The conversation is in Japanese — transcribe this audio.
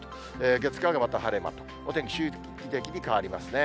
月、火がまた晴れマーク、お天気、周期的に変わりますね。